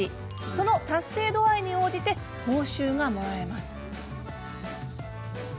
その達成度合いに応じて報酬がもらえるんです。